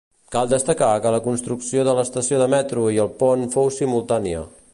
Cal destacar que la construcció de l'estació de metro i el pont fou simultània.